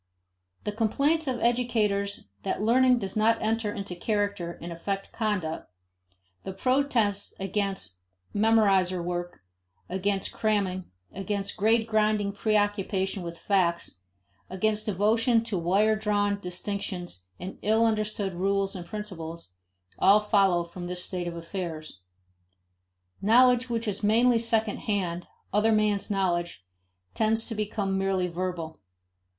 The complaints of educators that learning does not enter into character and affect conduct; the protests against memoriter work, against cramming, against gradgrind preoccupation with "facts," against devotion to wire drawn distinctions and ill understood rules and principles, all follow from this state of affairs. Knowledge which is mainly second hand, other men's knowledge, tends to become merely verbal.